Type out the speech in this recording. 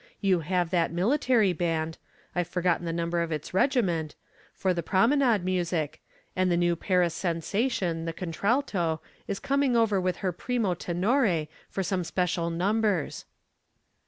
We have that military band I've forgotten the number of its regiment for the promenade music, and the new Paris sensation, the contralto, is coming over with her primo tenore for some special numbers."